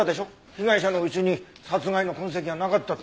被害者の家に殺害の痕跡はなかったって。